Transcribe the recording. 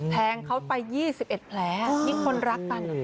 แทงเขาไป๒๑แผลยิ่งคนรักกัน